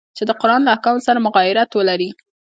چي د قرآن له احکامو سره مغایرت ولري.